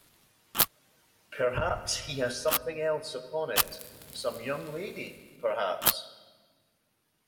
Perhaps he has something else upon it — some young lady, perhaps?